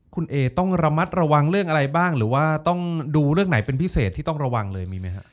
คุณเอต้องระมัดระวังเรื่องอะไรบ้างหรือว่าต้องดูเรื่องไหนเป็นพิเศษที่ต้องระวังเลยมีไหมฮะ